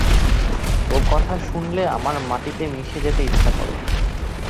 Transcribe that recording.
ও কথা শুনলে আমার মাটিতে মিশিয়ে যেতে ইচ্ছা করে।